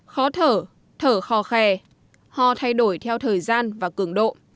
khó thở thở khò khè ho thay đổi theo thời gian và cường độ